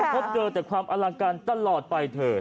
พบเจอแต่ความอลังการตลอดไปเถอะ